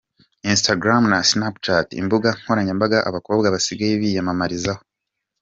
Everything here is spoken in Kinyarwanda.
Instagram na Snapchat imbuga nkoranyambaga abakobwa basigaye biyamamarizaho.